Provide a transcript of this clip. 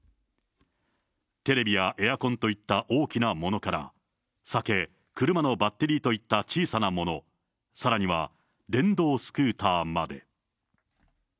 テレビやエアコンといった大きなものから、酒、車のバッテリーといった小さなもの、さらには電動スクーターまで。